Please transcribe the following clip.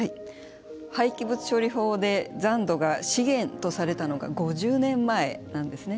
廃棄物処理法で残土が資源とされたのが５０年前なんですね。